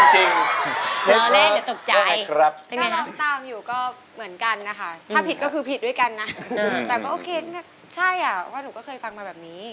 แต่ก็โอเคใช่อะว่าหนูก็เคยฟังมาแบบนี้